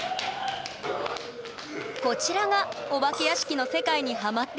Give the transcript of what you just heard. こちらがお化け屋敷の世界にハマっている颯太くん！